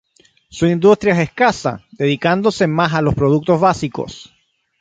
Su industria es escasa, dedicándose más a los productos básicos.